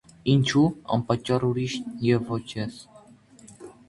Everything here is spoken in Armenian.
- Ինչո՞ւ անպատճառ ուրիշն և ոչ ես: